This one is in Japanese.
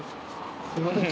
すいません。